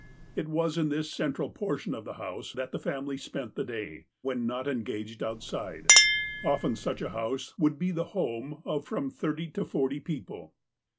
It was in this central portion of the house that the family spent the day, when not engaged outside. Often such a house would be the home of fi om thirty to forty people.